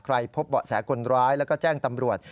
พบเบาะแสคนร้ายแล้วก็แจ้งตำรวจ